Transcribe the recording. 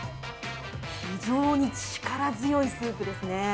非常に力強いスープですね。